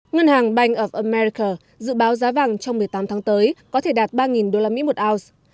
ngân hàng bank operical dự báo giá vàng trong một mươi tám tháng tới có thể đạt ba usd một ounce